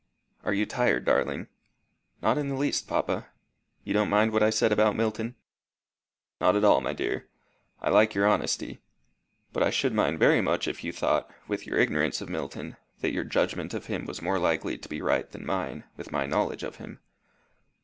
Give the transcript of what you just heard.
Are you tired, darling?" "Not the least, papa. You don't mind what I said about Milton?" "Not at all, my dear. I like your honesty. But I should mind very much if you thought, with your ignorance of Milton, that your judgment of him was more likely to be right than mine, with my knowledge of him."